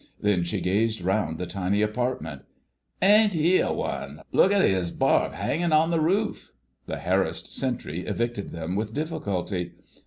Then she gazed round the tiny apartment. "Ain't 'e a one! Look at 'is barf 'anging on the roof!..." The harassed sentry evicted them with difficulty.